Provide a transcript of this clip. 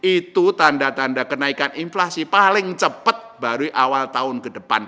itu tanda tanda kenaikan inflasi paling cepat baru awal tahun ke depan